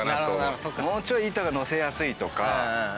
もうちょい板が載せやすいとか。